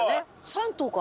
３頭か？